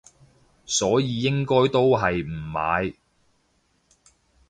所以應該都係唔買